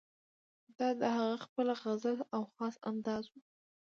دا د هغه خپله غزل او خاص انداز وو.